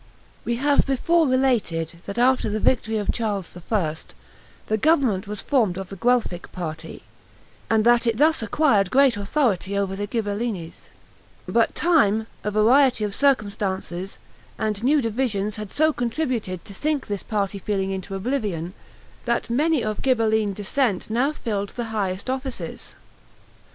We have before related, that after the victory of Charles I. the government was formed of the Guelphic party, and that it thus acquired great authority over the Ghibellines. But time, a variety of circumstances, and new divisions had so contributed to sink this party feeling into oblivion, that many of Ghibelline descent now filled the highest offices.